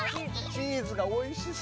チーズがおいしそう！